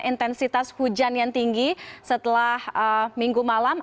intensitas hujan yang tinggi setelah minggu malam